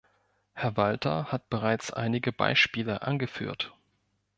Herr Walter hat bereits einige Beispiele angeführt.